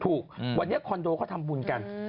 ถูกวันนี้คอนโดเขาทำบุญกัน